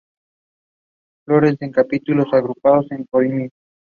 Flores en capítulos agrupados en corimbos.